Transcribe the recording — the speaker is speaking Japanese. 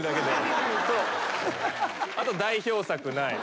あと代表作ない。